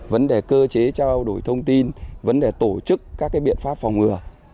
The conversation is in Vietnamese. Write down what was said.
vấn đề cơ chế trao đổi thông tin vấn đề tổ chức các biện pháp phòng ngừa